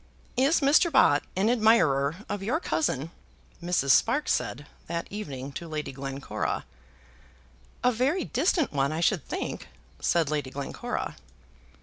"Is Mr. Bott an admirer of your cousin?" Mrs. Sparkes said that evening to Lady Glencora. "A very distant one I should think," said Lady Glencora.